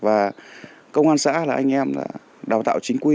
và công an xã là anh em là đào tạo chính quy